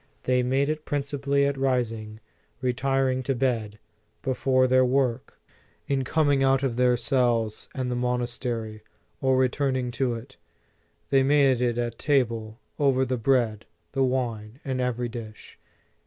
They made it principally at rising, retiring to bed, before their work, in coming out of their cells and the monastery, or returning into it ; they made it at table, over the bread, the wine and everv dish."